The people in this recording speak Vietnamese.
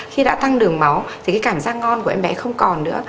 khi đã tăng đường máu thì cái cảm giác ngon của em bé không còn nữa